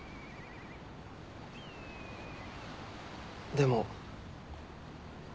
でも。